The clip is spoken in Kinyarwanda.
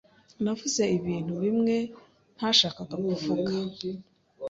Navuze ibintu bimwe ntashakaga kuvuga.